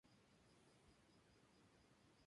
Los Ciervos habitan en la parte no cultivada de la isla.